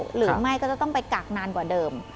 หรือไม่ก็จะต้องไปกักนานกว่าเดิม